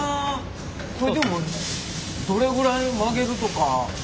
これでもどれぐらい曲げるとか。